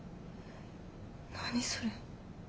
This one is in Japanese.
何それ。